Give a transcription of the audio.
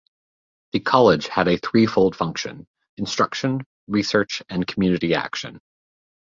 The college had a three-fold function - instruction, research, and community action.